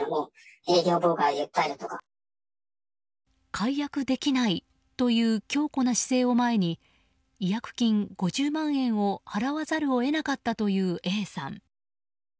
解約できないという強硬な姿勢を前に違約金５０万円を払わざるを得なかったというＡさん。